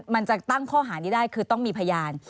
มันจะตั้งข้อหานี้ได้คือต้องมีพยาน